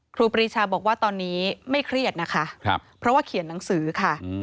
ครูปรีชาบอกว่าตอนนี้ไม่เครียดนะคะเพราะว่าเขียนหนังสือค่ะ